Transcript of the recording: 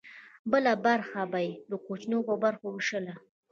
بله برخه به یې په کوچنیو برخو ویشله.